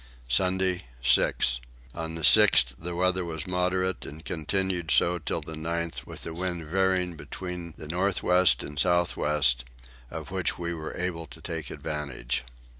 Sunday 6. On the 6th the weather was moderate and continued so till the 9th with the wind veering between the north west and south west; of which we were able to take advantage.